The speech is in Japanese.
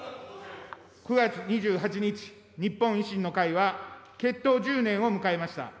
９月２８日、日本維新の会は、結党１０年を迎えました。